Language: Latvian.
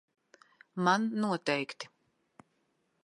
Man noteikti.